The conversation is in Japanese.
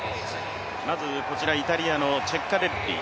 イタリアのチェッカレッリ。